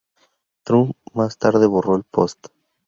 Trump más tarde borró el post.